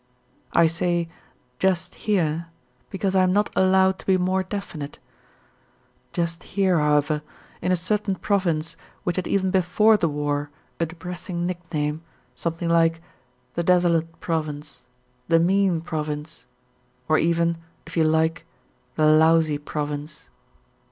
I say "just here" because I am not allowed to be more definite; just here, however, in a certain province which had even before the war a depressing nickname, something like "the desolate province," "the mean province," or even, if you like, "the lousy province."